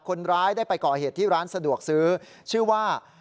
คนร้ายได้ไปก่อเหตุที่ร้านสะดวกซื้อชื่อว่า